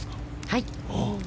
はい。